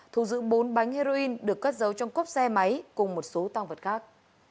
thu giữ bốn bánh heroin được cất giấu trong cốc xe máy cùng một số tăng vật khác